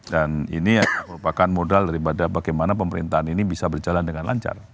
ini merupakan modal daripada bagaimana pemerintahan ini bisa berjalan dengan lancar